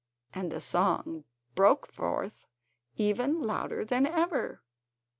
and the song broke forth again louder than ever.